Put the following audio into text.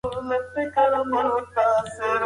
خلک د خوراک په اړه باید خپل فکر وکړي.